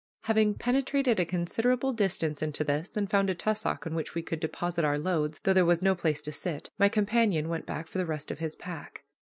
Having penetrated a considerable distance into this and found a tussock on which we could deposit our loads, though there was no place to sit, my companion went back for the rest of his pack.